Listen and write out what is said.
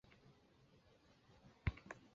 天保六年僧稠参与小南海石窟的重新开凿。